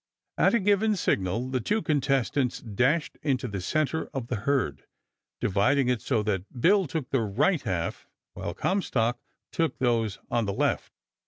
At a given signal the two contestants dashed into the center of the herd, dividing it so that Bill took the right half while Comstock took those on the left.